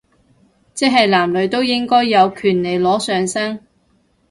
即係男女都應該有權利裸上身